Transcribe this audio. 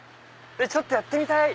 ちょっとやってみたい！